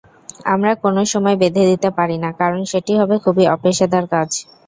আমরা কোনো সময় বেঁধে দিতেপারি না, কারণ সেটি হবে খুবই অপেশাদার কাজ।